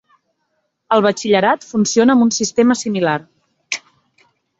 El batxillerat funciona amb un sistema similar.